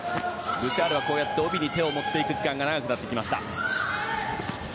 ブシャールは帯に手を持っていく時間が長くなってきました。